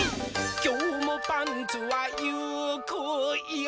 「きょうもパンツはゆくよ」